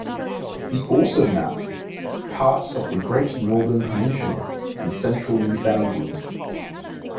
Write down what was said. He also mapped parts of the Great Northern Peninsula and central Newfoundland.